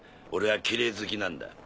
俺はきれい好きなんだ。